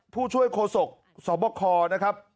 ผู้ช่วยโคศกสบคนะครับ